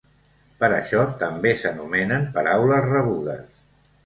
Per això, també s'anomenen paraules rebudes.